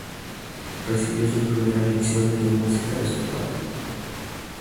Recibió sus primeras lecciones de música de su padre.